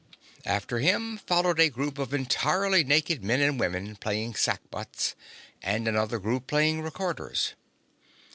After him followed a group of entirely naked men and women playing sackbuts, and another group playing recorders.